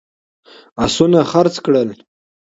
آسونه خرڅ کړل.